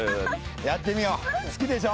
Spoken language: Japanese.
やってみよう好きでしょ？